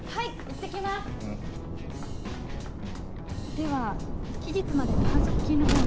では期日までに反則金のほうを。